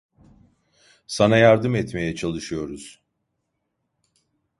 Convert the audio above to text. Sana yardım etmeye çalışıyoruz.